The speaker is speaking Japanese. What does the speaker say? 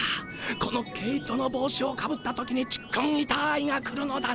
この毛糸の帽子をかぶった時にちっくんいたーいが来るのだな？